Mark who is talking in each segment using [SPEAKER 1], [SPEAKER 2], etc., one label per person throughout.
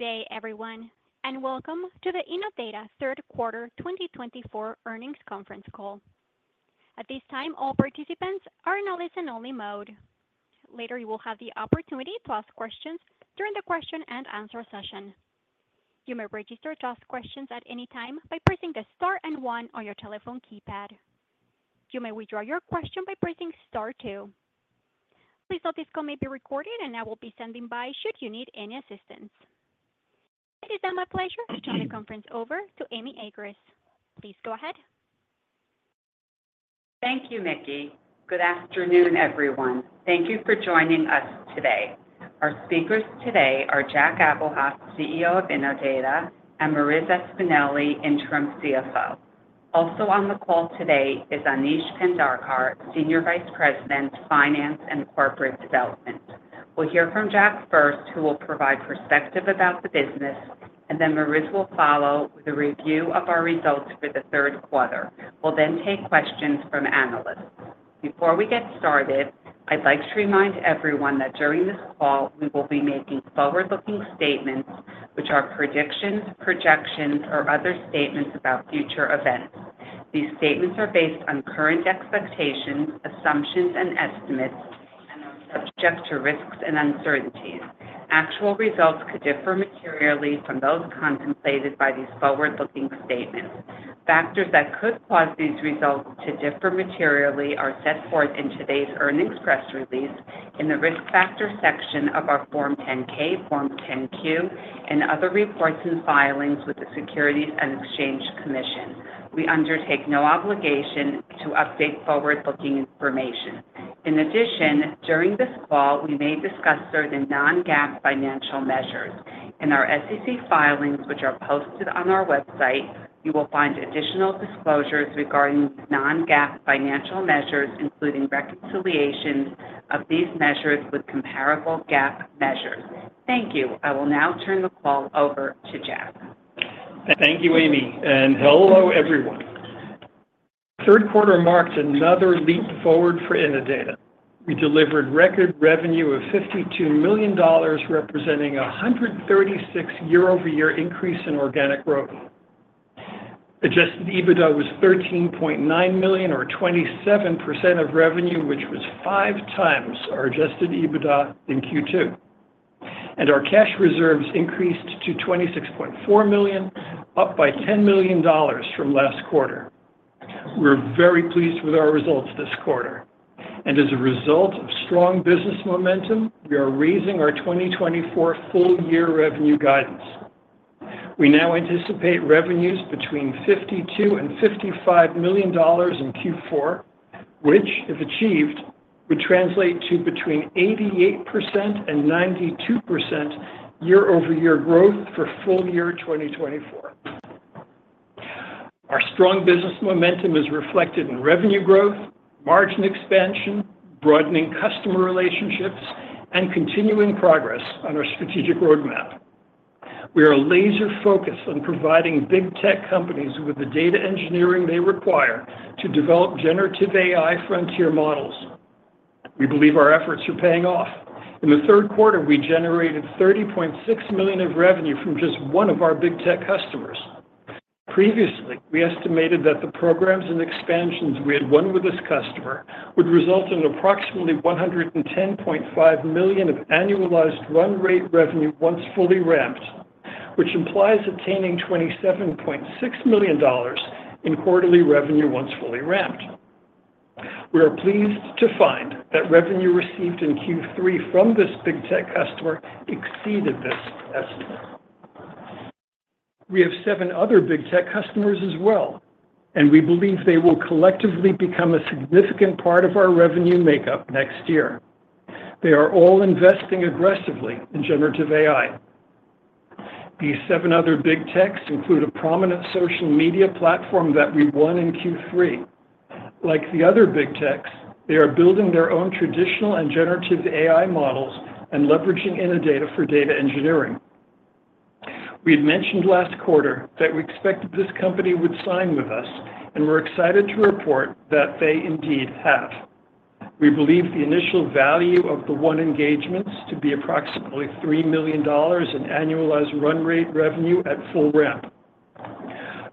[SPEAKER 1] Good day, everyone, and welcome to the Innodata Q3 2024 Earnings Conference Call. At this time, all participants are in a listen-only mode. Later, you will have the opportunity to ask questions during the question-and-answer session. You may register to ask questions at any time by pressing the star and one on your telephone keypad. You may withdraw your question by pressing star two. Please note this call may be recorded, and I will be standing by should you need any assistance. It is now my pleasure to turn the conference over to Amy Agress. Please go ahead.
[SPEAKER 2] Thank you, Nikki. Good afternoon, everyone. Thank you for joining us today. Our speakers today are Jack Abuhoff, CEO of Innodata, and Marissa Espineli, Interim CFO. Also on the call today is Aneesh Pendharkar, Senior Vice President, Finance and Corporate Development. We'll hear from Jack first, who will provide perspective about the business, and then Marissa will follow with a review of our results for the Q3. We'll then take questions from analysts. Before we get started, I'd like to remind everyone that during this call, we will be making forward-looking statements, which are predictions, projections, or other statements about future events. These statements are based on current expectations, assumptions, and estimates, and are subject to risks and uncertainties. Actual results could differ materially from those contemplated by these forward-looking statements Factors that could cause these results to differ materially are set forth in today's earnings press release, in the risk factor section of our Form 10-K, Form 10-Q, and other reports and filings with the Securities and Exchange Commission. We undertake no obligation to update forward-looking information. In addition, during this call, we may discuss certain non-GAAP financial measures. In our SEC filings, which are posted on our website, you will find additional disclosures regarding non-GAAP financial measures, including reconciliations of these measures with comparable GAAP measures. Thank you. I will now turn the call over to Jack.
[SPEAKER 3] Thank you, Amy, and hello, everyone. The Q3 marks another leap forward for Innodata. We delivered record revenue of $52 million, representing a 136% year-over-year increase in organic growth. Adjusted EBITDA was $13.9 million, or 27% of revenue, which was five times our adjusted EBITDA in Q2, and our cash reserves increased to $26.4 million, up by $10 million from last quarter. We're very pleased with our results this quarter, and as a result of strong business momentum, we are raising our 2024 full-year revenue guidance. We now anticipate revenues between $52 and $55 million in Q4, which, if achieved, would translate to between 88% and 92% year-over-year growth for full year 2024. Our strong business momentum is reflected in revenue growth, margin expansion, broadening customer relationships, and continuing progress on our strategic roadmap. We are laser-focused on providing big tech companies with the data engineering they require to develop generative AI frontier models. We believe our efforts are paying off. In the Q3, we generated $30.6 million of revenue from just one of our big tech customers. Previously, we estimated that the programs and expansions we had won with this customer would result in approximately $110.5 million of annualized run rate revenue once fully ramped, which implies attaining $27.6 million in quarterly revenue once fully ramped. We are pleased to find that revenue received in Q3 from this big tech customer exceeded this estimate. We have seven other big tech customers as well, and we believe they will collectively become a significant part of our revenue makeup next year. They are all investing aggressively in generative AI. These seven other big techs include a prominent social media platform that we won in Q3. Like the other big techs, they are building their own traditional and generative AI models and leveraging Innodata for data engineering. We had mentioned last quarter that we expected this company would sign with us, and we're excited to report that they indeed have. We believe the initial value of the won engagements to be approximately $3 million in annualized run rate revenue at full ramp.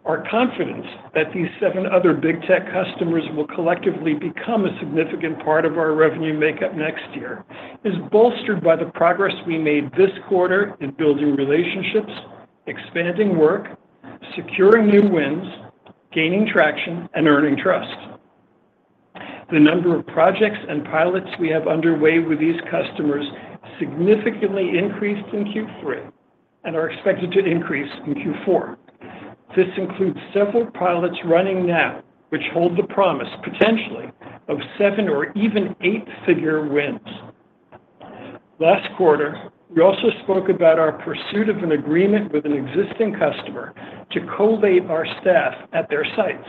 [SPEAKER 3] Our confidence that these seven other big tech customers will collectively become a significant part of our revenue makeup next year is bolstered by the progress we made this quarter in building relationships, expanding work, securing new wins, gaining traction, and earning trust. The number of projects and pilots we have underway with these customers significantly increased in Q3 and are expected to increase in Q4. This includes several pilots running now, which hold the promise, potentially, of seven or even eight-figure wins. Last quarter, we also spoke about our pursuit of an agreement with an existing customer to colocate our staff at their sites.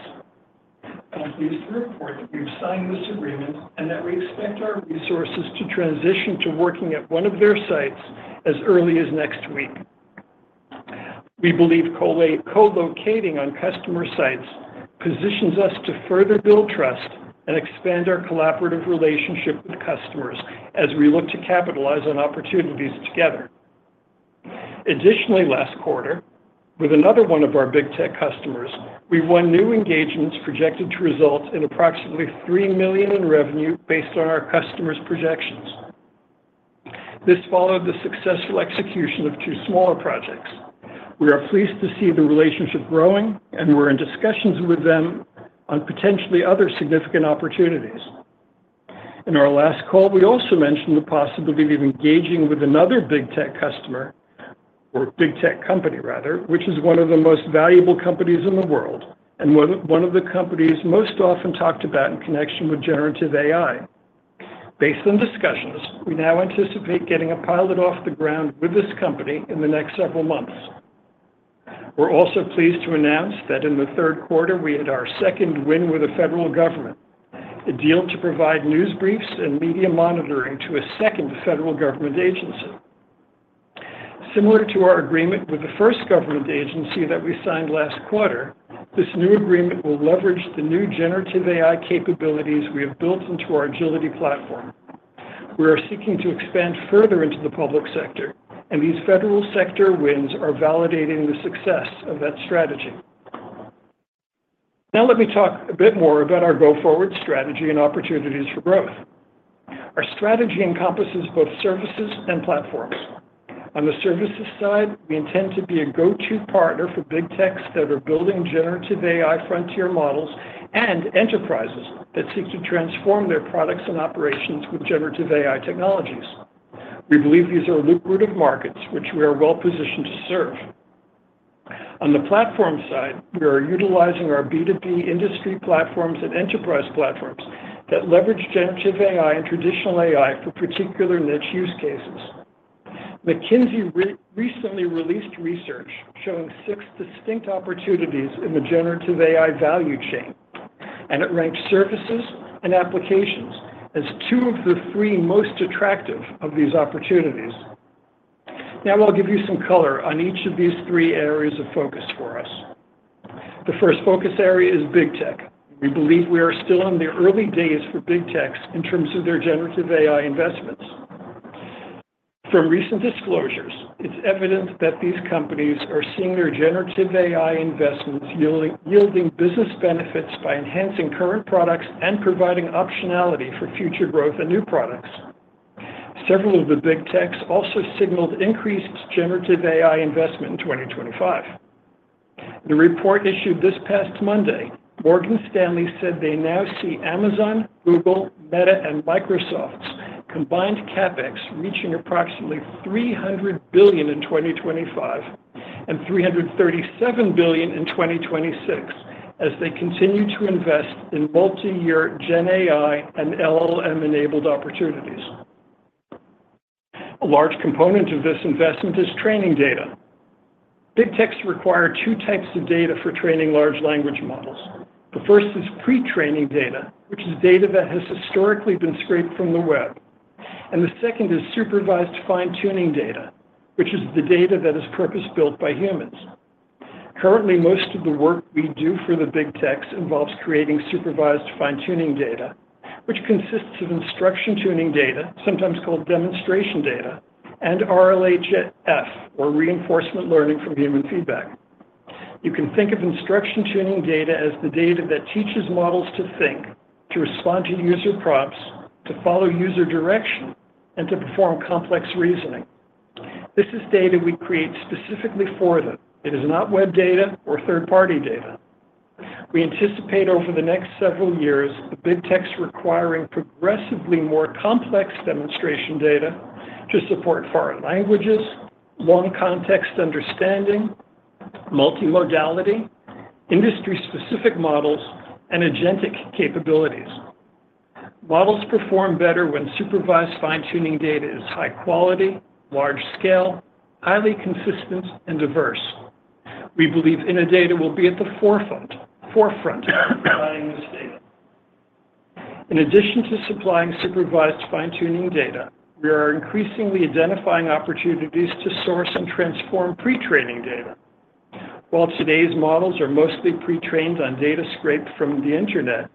[SPEAKER 3] I'm pleased to report that we've signed this agreement and that we expect our resources to transition to working at one of their sites as early as next week. We believe colocating on customer sites positions us to further build trust and expand our collaborative relationship with customers as we look to capitalize on opportunities together. Additionally, last quarter, with another one of our big tech customers, we won new engagements projected to result in approximately $3 million in revenue based on our customers' projections. This followed the successful execution of two smaller projects. We are pleased to see the relationship growing, and we're in discussions with them on potentially other significant opportunities. In our last call, we also mentioned the possibility of engaging with another big tech customer, or big tech company, rather, which is one of the most valuable companies in the world and one of the companies most often talked about in connection with generative AI. Based on discussions, we now anticipate getting a pilot off the ground with this company in the next several months. We're also pleased to announce that in the Q3, we had our second win with the federal government, a deal to provide news briefs and media monitoring to a second federal government agency. Similar to our agreement with the first government agency that we signed last quarter, this new agreement will leverage the new generative AI capabilities we have built into our Agility platform. We are seeking to expand further into the public sector, and these federal sector wins are validating the success of that strategy. Now, let me talk a bit more about our go-forward strategy and opportunities for growth. Our strategy encompasses both services and platforms. On the services side, we intend to be a go-to partner for big techs that are building generative AI frontier models and enterprises that seek to transform their products and operations with generative AI technologies. We believe these are lucrative markets, which we are well-positioned to serve. On the platform side, we are utilizing our B2B industry platforms and enterprise platforms that leverage generative AI and traditional AI for particular niche use cases. McKinsey recently released research showing six distinct opportunities in the generative AI value chain, and it ranked services and applications as two of the three most attractive of these opportunities. Now, I'll give you some color on each of these three areas of focus for us. The first focus area is big tech. We believe we are still in the early days for big techs in terms of their generative AI investments. From recent disclosures, it's evident that these companies are seeing their generative AI investments yielding business benefits by enhancing current products and providing optionality for future growth and new products. Several of the big techs also signaled increased generative AI investment in 2025. In a report issued this past Monday, Morgan Stanley said they now see Amazon, Google, Meta, and Microsoft's combined CapEx reaching approximately $300 billion in 2025 and $337 billion in 2026 as they continue to invest in multi-year GenAI and LLM-enabled opportunities. A large component of this investment is training data. Big techs require two types of data for training large language models. The first is pre-training data, which is data that has historically been scraped from the web, and the second is supervised fine-tuning data, which is the data that is purpose-built by humans. Currently, most of the work we do for the big techs involves creating supervised fine-tuning data, which consists of instruction-tuning data, sometimes called demonstration data, and RLHF, or reinforcement learning from human feedback. You can think of instruction-tuning data as the data that teaches models to think, to respond to user prompts, to follow user direction, and to perform complex reasoning. This is data we create specifically for them. It is not web data or third-party data. We anticipate over the next several years, the big techs requiring progressively more complex demonstration data to support foreign languages, long context understanding, multi-modality, industry-specific models, and agentic capabilities. Models perform better when supervised fine-tuning data is high quality, large scale, highly consistent, and diverse. We believe Innodata will be at the forefront of providing this data. In addition to supplying supervised fine-tuning data, we are increasingly identifying opportunities to source and transform pre-training data. While today's models are mostly pre-trained on data scraped from the internet,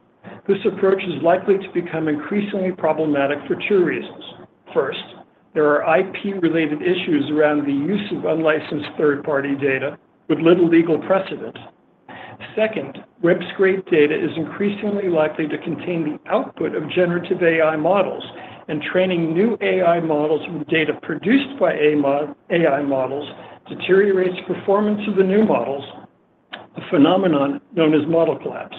[SPEAKER 3] this approach is likely to become increasingly problematic for two reasons. First, there are IP-related issues around the use of unlicensed third-party data with little legal precedent. Second, web scraped data is increasingly likely to contain the output of generative AI models, and training new AI models with data produced by AI models deteriorates performance of the new models, a phenomenon known as model collapse.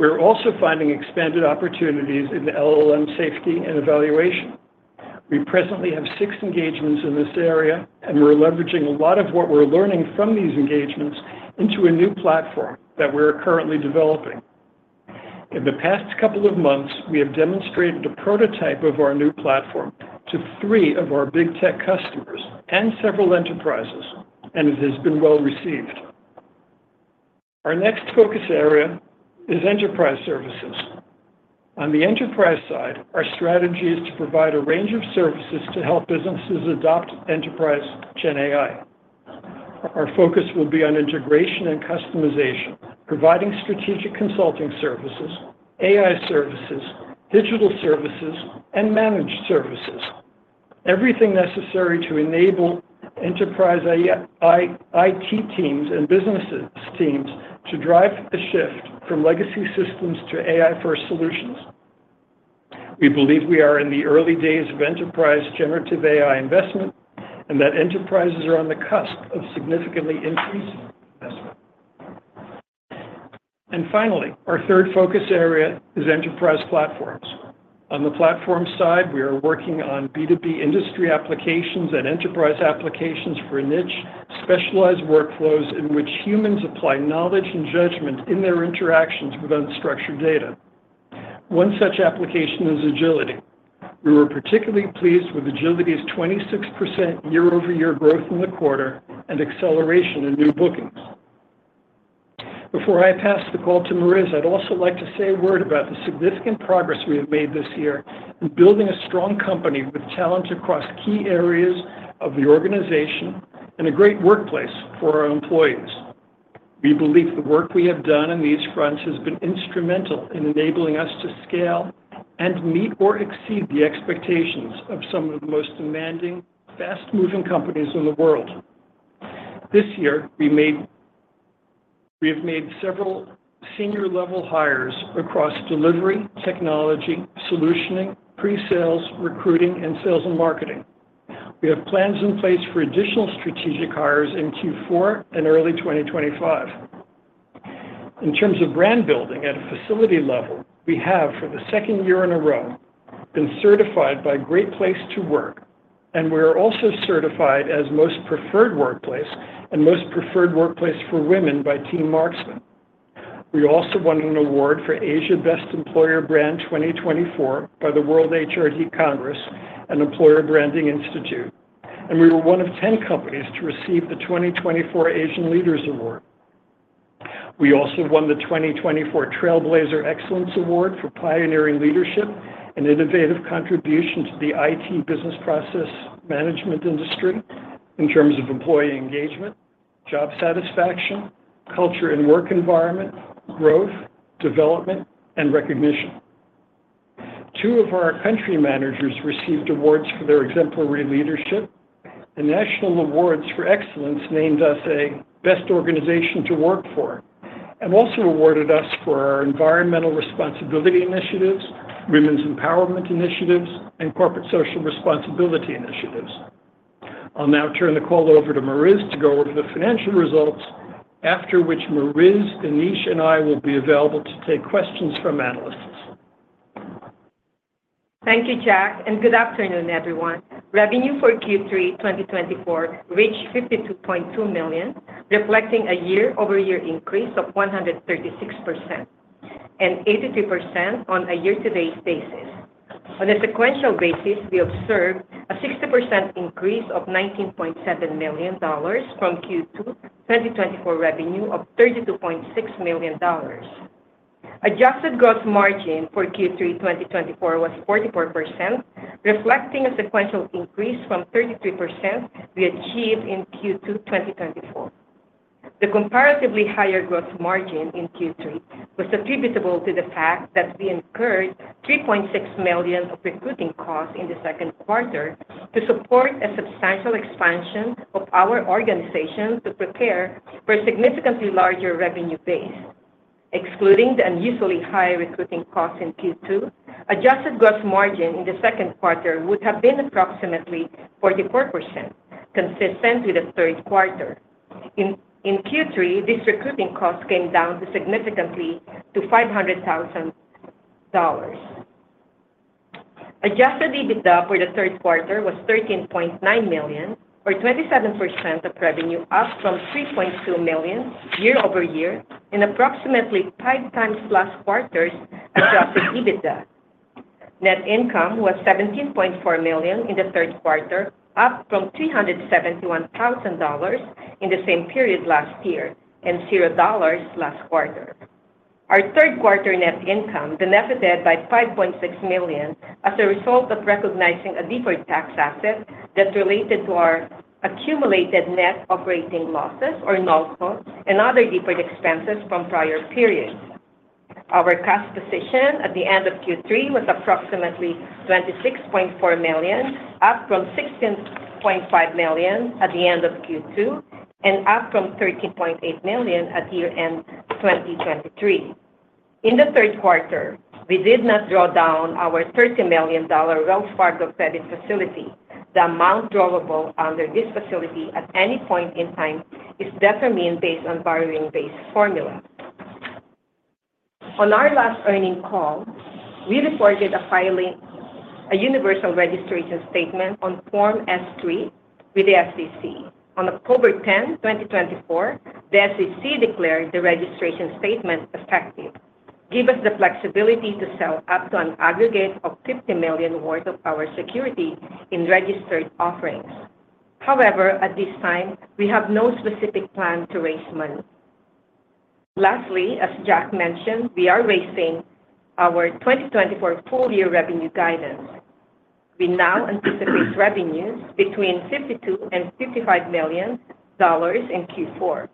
[SPEAKER 3] We're also finding expanded opportunities in LLM safety and evaluation. We presently have six engagements in this area, and we're leveraging a lot of what we're learning from these engagements into a new platform that we're currently developing. In the past couple of months, we have demonstrated a prototype of our new platform to three of our big tech customers and several enterprises, and it has been well received. Our next focus area is enterprise services. On the enterprise side, our strategy is to provide a range of services to help businesses adopt enterprise GenAI. Our focus will be on integration and customization, providing strategic consulting services, AI services, digital services, and managed services, everything necessary to enable enterprise IT teams and business teams to drive a shift from legacy systems to AI-first solutions. We believe we are in the early days of enterprise generative AI investment and that enterprises are on the cusp of significantly increasing investment. And finally, our third focus area is enterprise platforms. On the platform side, we are working on B2B industry applications and enterprise applications for niche, specialized workflows in which humans apply knowledge and judgment in their interactions with unstructured data. One such application is Agility. We were particularly pleased with Agility's 26% year-over-year growth in the quarter and acceleration in new bookings. Before I pass the call to Marissa, I'd also like to say a word about the significant progress we have made this year in building a strong company with talent across key areas of the organization and a great workplace for our employees. We believe the work we have done on these fronts has been instrumental in enabling us to scale and meet or exceed the expectations of some of the most demanding, fast-moving companies in the world. This year, we have made several senior-level hires across delivery, technology, solutioning, pre-sales, recruiting, and sales and marketing. We have plans in place for additional strategic hires in Q4 and early 2025. In terms of brand building at a facility level, we have, for the second year in a row, been certified by Great Place to Work, and we are also certified as most preferred workplace and most preferred workplace for women by Team Marksmen. We also won an award for Asia Best Employer Brand 2024 by the World HRD Congress and Employer Branding Institute, and we were one of 10 companies to receive the 2024 Asian Leadership Awards. We also won the 2024 Trailblazer Excellence Award for pioneering leadership and innovative contribution to the IT business process management industry in terms of employee engagement, job satisfaction, culture and work environment, growth, development, and recognition. Two of our country managers received awards for their exemplary leadership. The National Awards for Excellence named us a Best Organization to Work for and also awarded us for our environmental responsibility initiatives, women's empowerment initiatives, and corporate social responsibility initiatives. I'll now turn the call over to Marissa to go over the financial results, after which Marissa, Aneesh, and I will be available to take questions from analysts.
[SPEAKER 4] Thank you, Jack, and good afternoon, everyone. Revenue for Q3 2024 reached $52.2 million, reflecting a year-over-year increase of 136% and 83% on a year-to-date basis. On a sequential basis, we observed a 60% increase of $19.7 million from Q2 2024 revenue of $32.6 million. Adjusted gross margin for Q3 2024 was 44%, reflecting a sequential increase from 33% we achieved in Q2 2024. The comparatively higher gross margin in Q3 was attributable to the fact that we incurred $3.6 million of recruiting costs in the Q2 to support a substantial expansion of our organization to prepare for a significantly larger revenue base. Excluding the unusually high recruiting costs in Q2, adjusted gross margin in the Q2 would have been approximately 44%, consistent with the Q3. In Q3, these recruiting costs came down significantly to $500,000. Adjusted EBITDA for the Q3 was $13.9 million, or 27% of revenue, up from $3.2 million year-over-year in approximately five times last quarter's adjusted EBITDA. Net income was $17.4 million in the Q3, up from $371,000 in the same period last year and $0 last quarter. Our Q3 net income benefited by $5.6 million as a result of recognizing a deferred tax asset that related to our accumulated net operating losses, or NOLCO, and other deferred expenses from prior periods. Our cash position at the end of Q3 was approximately $26.4 million, up from $16.5 million at the end of Q2 and up from $13.8 million at year-end 2023. In the Q3, we did not draw down our $30 million Wells Fargo credit facility. The amount drawable under this facility at any point in time is determined based on borrowing-base formula. On our last earnings call, we reported a universal registration statement on Form S-3 with the SEC. On October 10, 2024, the SEC declared the registration statement effective, giving us the flexibility to sell up to an aggregate of $50 million worth of our securities in registered offerings. However, at this time, we have no specific plan to raise money. Lastly, as Jack mentioned, we are raising our 2024 full-year revenue guidance. We now anticipate revenues between $52 and $55 million in Q4,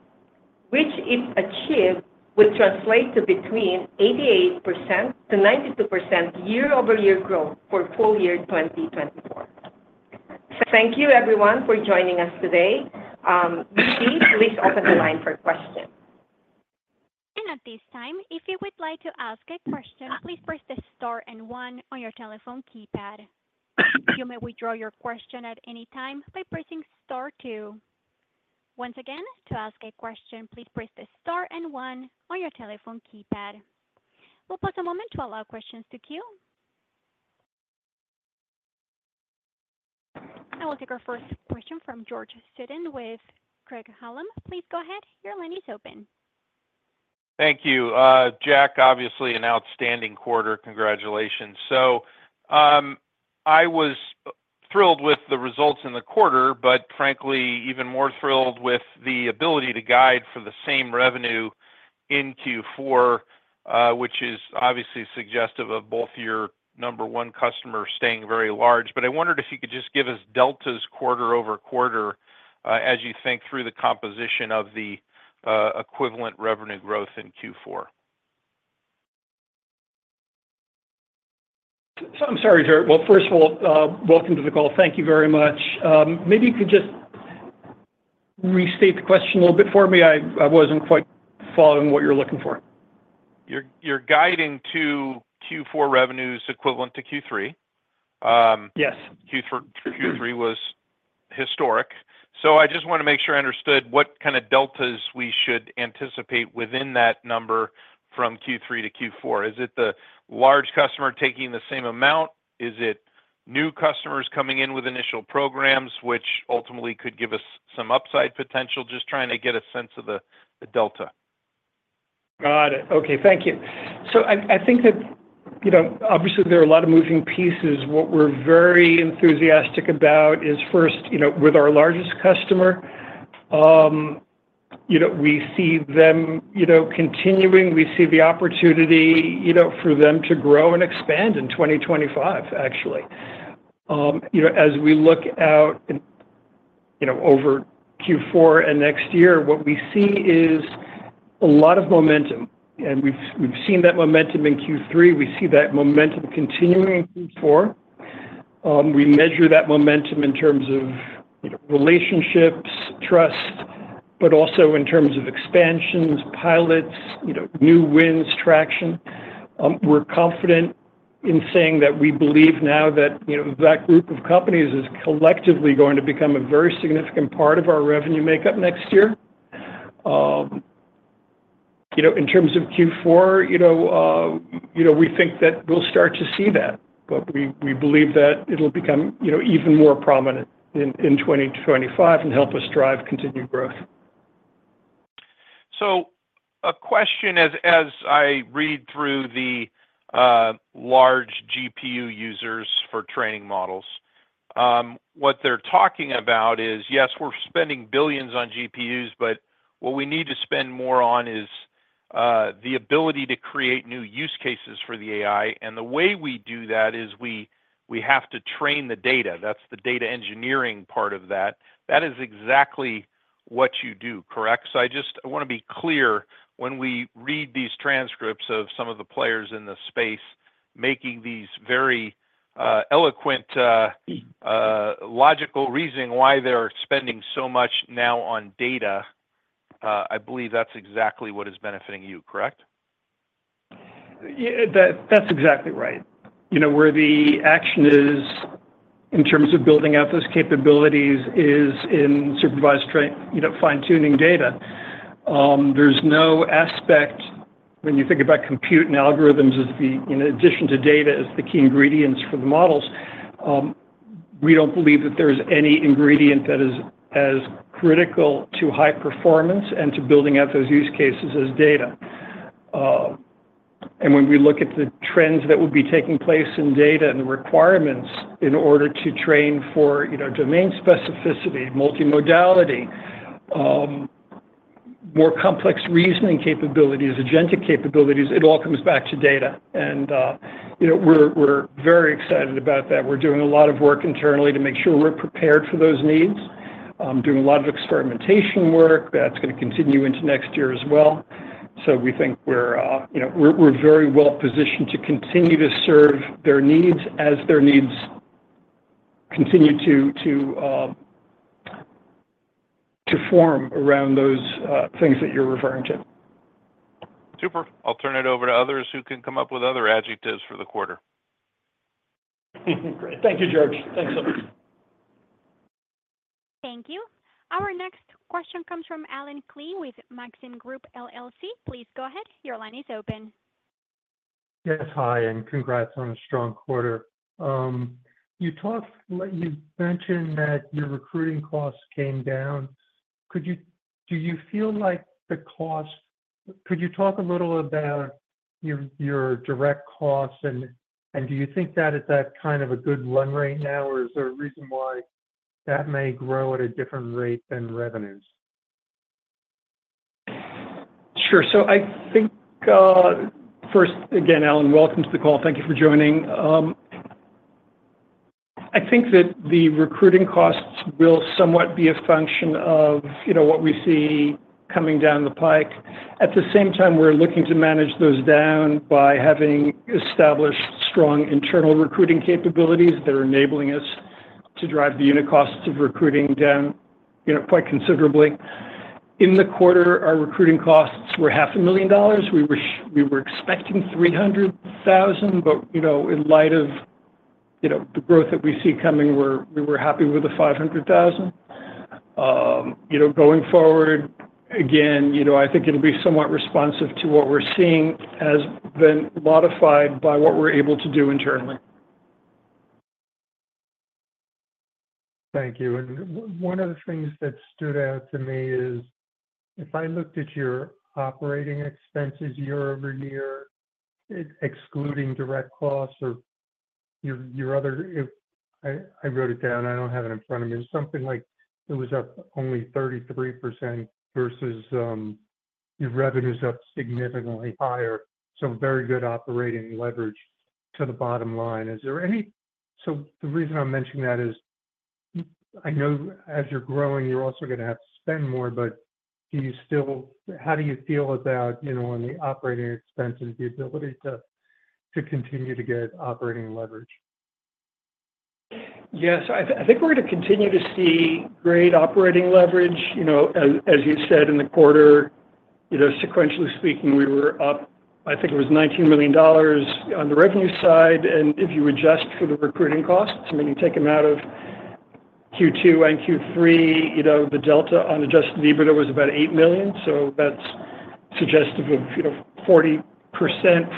[SPEAKER 4] which, if achieved, would translate to between 88% to 92% year-over-year growth for full year 2024. Thank you, everyone, for joining us today. Nikki, please open the line for questions.
[SPEAKER 1] And at this time, if you would like to ask a question, please press the star and one on your telephone keypad. You may withdraw your question at any time by pressing star two. Once again, to ask a question, please press the star and one on your telephone keypad. We'll pause a moment to allow questions to queue. And we'll take our first question from George Sutton with Craig-Hallum. Please go ahead. Your line is open.
[SPEAKER 5] Thank you. Jack, obviously an outstanding quarter. Congratulations, so I was thrilled with the results in the quarter, but frankly, even more thrilled with the ability to guide for the same revenue in Q4, which is obviously suggestive of both your number one customer staying very large, but I wondered if you could just give us deltas quarter-over-quarter as you think through the composition of the equivalent revenue growth in Q4.
[SPEAKER 3] I'm sorry, George, well, first of all, welcome to the call. Thank you very much. Maybe you could just restate the question a little bit for me. I wasn't quite following what you're looking for.
[SPEAKER 5] You're guiding to Q4 revenues equivalent to Q3. Yes. Q3 was historic, so I just want to make sure I understood what kind of deltas we should anticipate within that number from Q3 to Q4. Is it the large customer taking the same amount? Is it new customers coming in with initial programs, which ultimately could give us some upside potential? Just trying to get a sense of the delta.
[SPEAKER 3] Got it. Okay. Thank you. So I think that, obviously, there are a lot of moving pieces. What we're very enthusiastic about is first, with our largest customer, we see them continuing. We see the opportunity for them to grow and expand in 2025, actually. As we look out over Q4 and next year, what we see is a lot of momentum. And we've seen that momentum in Q3. We see that momentum continuing in Q4. We measure that momentum in terms of relationships, trust, but also in terms of expansions, pilots, new wins, traction. We're confident in saying that we believe now that that group of companies is collectively going to become a very significant part of our revenue makeup next year. In terms of Q4, we think that we'll start to see that, but we believe that it'll become even more prominent in 2025 and help us drive continued growth.
[SPEAKER 5] So a question as I read through the large GPU users for training models, what they're talking about is, yes, we're spending billions on GPUs, but what we need to spend more on is the ability to create new use cases for the AI. And the way we do that is we have to train the data. That's the data engineering part of that. That is exactly what you do, correct? So I just want to be clear when we read these transcripts of some of the players in the space making these very eloquent logical reasoning why they're spending so much now on data. I believe that's exactly what is benefiting you, correct?
[SPEAKER 3] That's exactly right. Where the action is in terms of building out those capabilities is in supervised fine-tuning data. There's no aspect when you think about compute and algorithms in addition to data as the key ingredients for the models. We don't believe that there's any ingredient that is as critical to high performance and to building out those use cases as data, and when we look at the trends that will be taking place in data and the requirements in order to train for domain specificity, multimodality, more complex reasoning capabilities, agentic capabilities, it all comes back to data, and we're very excited about that. We're doing a lot of work internally to make sure we're prepared for those needs, doing a lot of experimentation work that's going to continue into next year as well. So we think we're very well positioned to continue to serve their needs as their needs continue to form around those things that you're referring to.
[SPEAKER 5] Super. I'll turn it over to others who can come up with other adjectives for the quarter. Great.
[SPEAKER 3] Thank you, George.
[SPEAKER 5] Thanks so much.
[SPEAKER 1] Thank you. Our next question comes from Alan Klee with Maxim Group, LLC. Please go ahead. Your line is open.
[SPEAKER 6] Yes. Hi, and congrats on a strong quarter. You mentioned that your recruiting costs came down. Do you feel like the costs? Could you talk a little about your direct costs, and do you think that is kind of a good run right now, or is there a reason why that may grow at a different rate than revenues?
[SPEAKER 3] Sure. So I think first, again, Alan, welcome to the call. Thank you for joining. I think that the recruiting costs will somewhat be a function of what we see coming down the pike. At the same time, we're looking to manage those down by having established strong internal recruiting capabilities that are enabling us to drive the unit costs of recruiting down quite considerably. In the quarter, our recruiting costs were $500,000. We were expecting $300,000, but in light of the growth that we see coming, we were happy with the $500,000. Going forward, again, I think it'll be somewhat responsive to what we're seeing has been modified by what we're able to do internally.
[SPEAKER 6] Thank you. And one of the things that stood out to me is if I looked at your operating expenses year-over-year, excluding direct costs or your other. I wrote it down. I don't have it in front of me. Something like it was up only 33% versus your revenues up significantly higher. So very good operating leverage to the bottom line. So the reason I'm mentioning that is I know as you're growing, you're also going to have to spend more, but how do you feel about on the operating expenses, the ability to continue to get operating leverage?
[SPEAKER 3] Yes. I think we're going to continue to see great operating leverage. As you said, in the quarter, sequentially speaking, we were up, I think it was $19 million on the revenue side. And if you adjust for the recruiting costs, I mean, you take them out of Q2 and Q3, the delta on adjusted EBITDA was about $8 million. So that's suggestive of 40%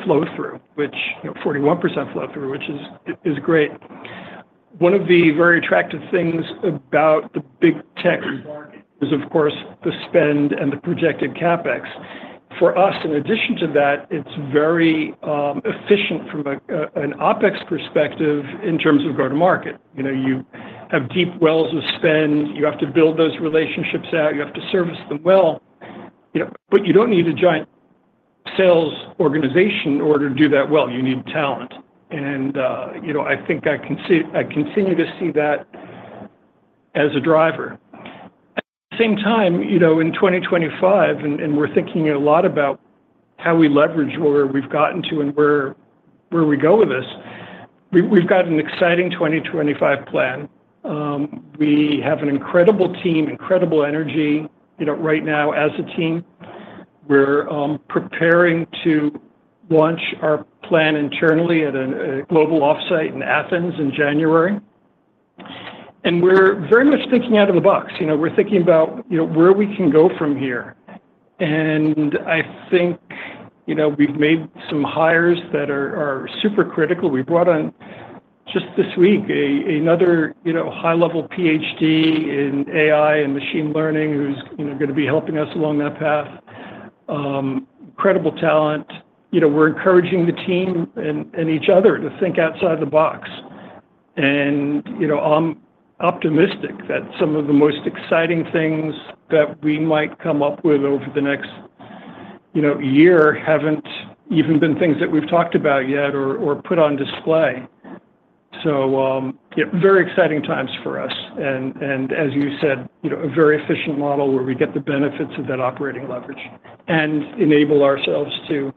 [SPEAKER 3] flow-through, which 41% flow-through, which is great. One of the very attractive things about the big tech market is, of course, the spend and the projected CapEx. For us, in addition to that, it's very efficient from an OpEx perspective in terms of go-to-market. You have deep wells of spend. You have to build those relationships out. You have to service them well. But you don't need a giant sales organization in order to do that well. You need talent. And I think I continue to see that as a driver. At the same time, in 2025, and we're thinking a lot about how we leverage where we've gotten to and where we go with this, we've got an exciting 2025 plan. We have an incredible team, incredible energy right now as a team. We're preparing to launch our plan internally at a global offsite in Athens in January. We're very much thinking out of the box. We're thinking about where we can go from here. I think we've made some hires that are super critical. We brought on just this week another high-level PhD in AI and machine learning who's going to be helping us along that path. Incredible talent. We're encouraging the team and each other to think outside the box. I'm optimistic that some of the most exciting things that we might come up with over the next year haven't even been things that we've talked about yet or put on display. So very exciting times for us. As you said, a very efficient model where we get the benefits of that operating leverage and enable ourselves to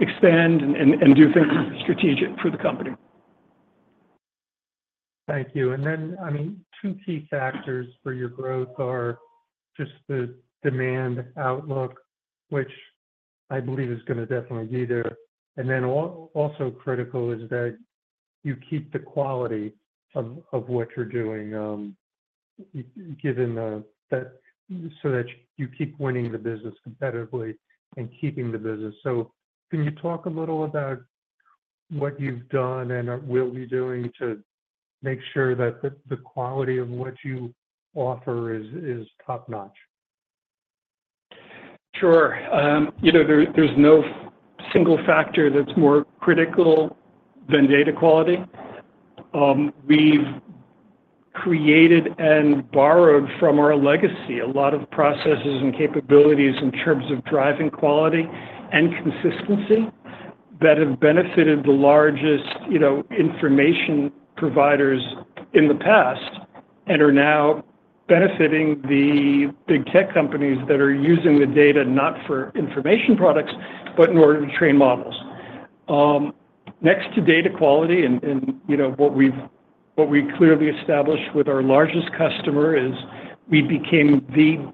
[SPEAKER 3] expand and do things strategic for the company.
[SPEAKER 6] Thank you. And then, I mean, two key factors for your growth are just the demand outlook, which I believe is going to definitely be there. And then also critical is that you keep the quality of what you're doing so that you keep winning the business competitively and keeping the business. So can you talk a little about what you've done and will be doing to make sure that the quality of what you offer is top-notch?
[SPEAKER 3] Sure. There's no single factor that's more critical than data quality. We've created and borrowed from our legacy a lot of processes and capabilities in terms of driving quality and consistency that have benefited the largest information providers in the past and are now benefiting the big tech companies that are using the data not for information products, but in order to train models. Next to data quality and what we've clearly established with our largest customer is we became the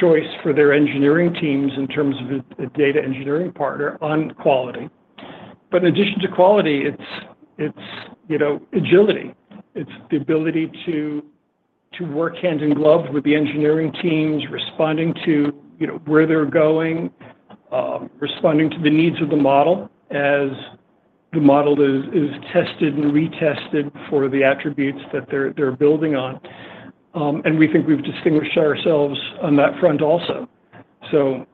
[SPEAKER 3] choice for their engineering teams in terms of a data engineering partner on quality. But in addition to quality, it's agility. It's the ability to work hand in glove with the engineering teams, responding to where they're going, responding to the needs of the model as the model is tested and retested for the attributes that they're building on. And we think we've distinguished ourselves on that front also. So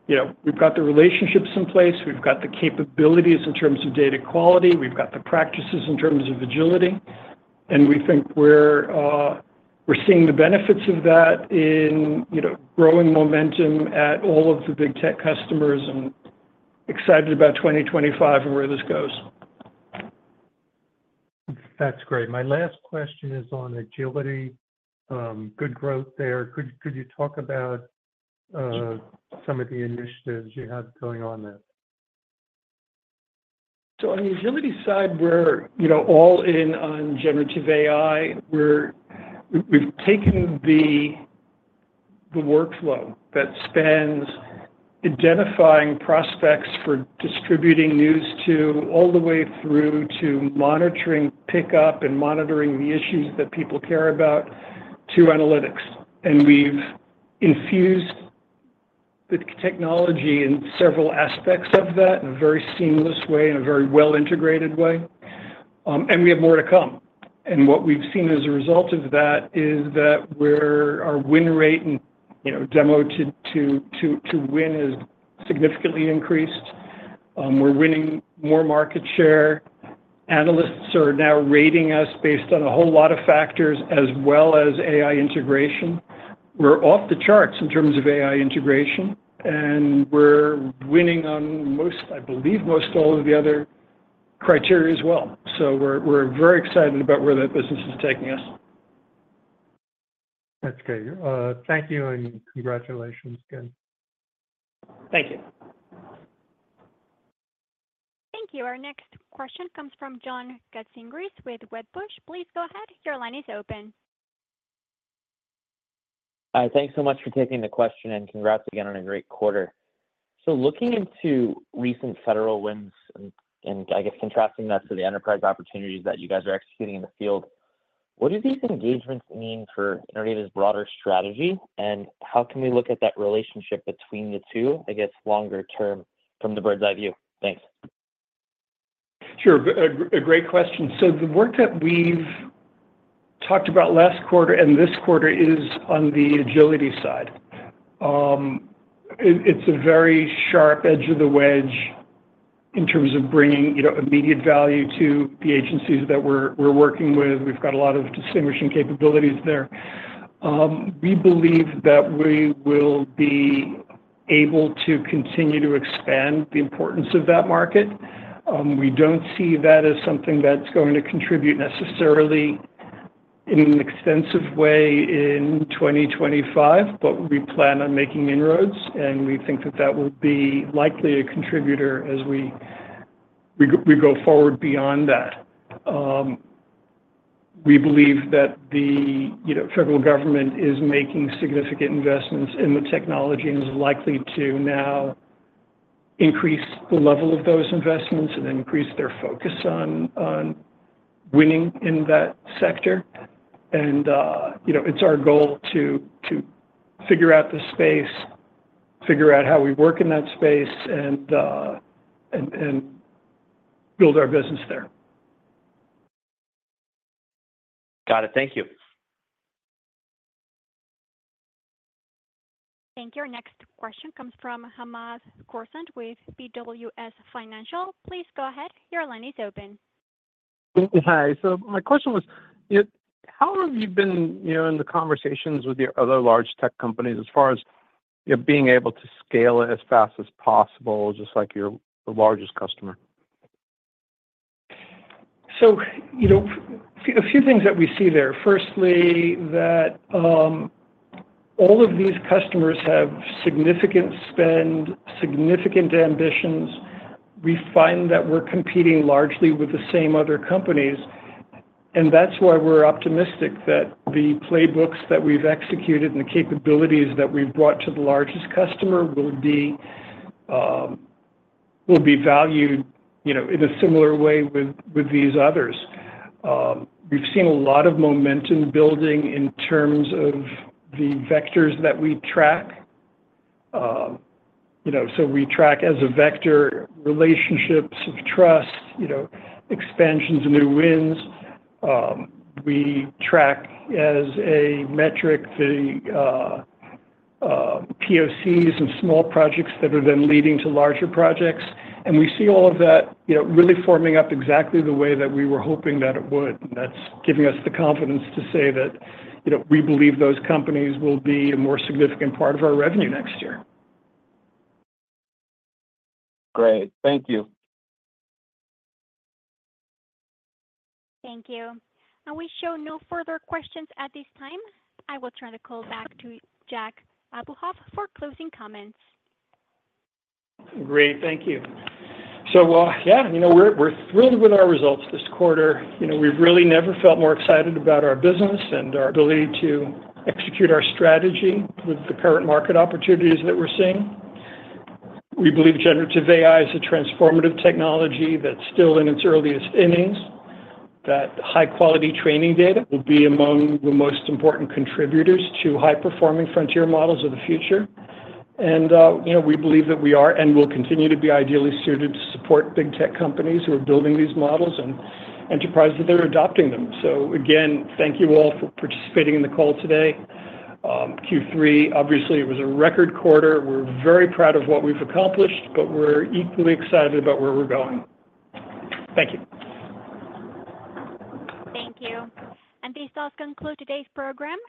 [SPEAKER 3] we've got the relationships in place. We've got the capabilities in terms of data quality. We've got the practices in terms of agility. And we think we're seeing the benefits of that in growing momentum at all of the big tech customers and excited about 2025 and where this goes.
[SPEAKER 6] That's great. My last question is on agility. Good growth there. Could you talk about some of the initiatives you have going on there?
[SPEAKER 3] So on the Agility side, we're all in on generative AI. We've taken the workflow that spans identifying prospects for distributing news to all the way through to monitoring pickup and monitoring the issues that people care about to analytics. And we've infused the technology in several aspects of that in a very seamless way, in a very well-integrated way. And we have more to come. And what we've seen as a result of that is that our win rate and demo to win has significantly increased. We're winning more market share. Analysts are now rating us based on a whole lot of factors as well as AI integration. We're off the charts in terms of AI integration. And we're winning on, I believe, most all of the other criteria as well. So we're very excited about where that business is taking us.
[SPEAKER 6] That's great. Thank you and congratulations again.
[SPEAKER 3] Thank you.
[SPEAKER 1] Thank you. Our next question comes from John Katsingris with Wedbush. Please go ahead. Your line is open.
[SPEAKER 7] Hi. Thanks so much for taking the question and congrats again on a great quarter. So looking into recent federal wins and, I guess, contrasting that to the enterprise opportunities that you guys are executing in the field, what do these engagements mean for Innodata's broader strategy? And how can we look at that relationship between the two, I guess, longer term from the bird's eye view? Thanks.
[SPEAKER 3] Sure. A great question. So the work that we've talked about last quarter and this quarter is on the Agility side. It's a very sharp edge of the wedge in terms of bringing immediate value to the agencies that we're working with. We've got a lot of distinguishing capabilities there. We believe that we will be able to continue to expand the importance of that market. We don't see that as something that's going to contribute necessarily in an extensive way in 2025, but we plan on making inroads. And we think that that will be likely a contributor as we go forward beyond that. We believe that the federal government is making significant investments in the technology and is likely to now increase the level of those investments and increase their focus on winning in that sector. And it's our goal to figure out the space, figure out how we work in that space, and build our business there.
[SPEAKER 7] Got it. Thank you.
[SPEAKER 1] Thank you. Our next question comes from Hamad Khorsand with BWS Financial. Please go ahead. Your line is open. Hi.
[SPEAKER 8] So my question was, how have you been in the conversations with your other large tech companies as far as being able to scale as fast as possible, just like your largest customer?
[SPEAKER 3] So a few things that we see there. Firstly, that all of these customers have significant spend, significant ambitions. We find that we're competing largely with the same other companies. And that's why we're optimistic that the playbooks that we've executed and the capabilities that we've brought to the largest customer will be valued in a similar way with these others. We've seen a lot of momentum building in terms of the vectors that we track. So we track as a vector relationships of trust, expansions, new wins. We track as a metric the POCs and small projects that are then leading to larger projects. And we see all of that really forming up exactly the way that we were hoping that it would. And that's giving us the confidence to say that we believe those companies will be a more significant part of our revenue next year.
[SPEAKER 8] Great. Thank you.
[SPEAKER 1] Thank you. And we show no further questions at this time. I will turn the call back to Jack Abuhoff for closing comments.
[SPEAKER 3] Great. Thank you. So yeah, we're thrilled with our results this quarter. We've really never felt more excited about our business and our ability to execute our strategy with the current market opportunities that we're seeing. We believe generative AI is a transformative technology that's still in its earliest innings, that high-quality training data will be among the most important contributors to high-performing frontier models of the future. And we believe that we are and will continue to be ideally suited to support big tech companies who are building these models and enterprises that are adopting them. So again, thank you all for participating in the call today. Q3, obviously, it was a record quarter. We're very proud of what we've accomplished, but we're equally excited about where we're going. Thank you.
[SPEAKER 1] Thank you. And this does conclude today's program.